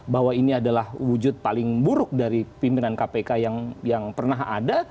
bahwa ini adalah wujud paling buruk dari pimpinan kpk yang pernah ada